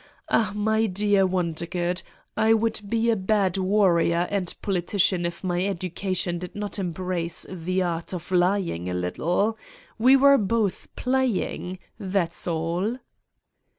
Ah, my dear Wondergood: I would be a bad warrior and politician if my edu cation did not embrace the art of lying a little. We were both playing, that's all!"